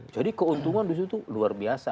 jadi keuntungan disitu luar biasa